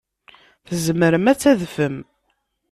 Tzemrem ad tadfem.